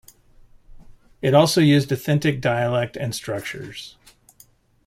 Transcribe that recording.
It also used authentic dialect and structures.